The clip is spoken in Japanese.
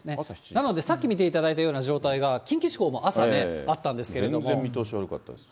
なのでさっき見ていただいたような状態が近畿地方も朝ね、あった全然見通し悪かったです。